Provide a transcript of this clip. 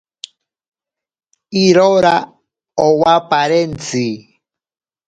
Irora owa parentzi.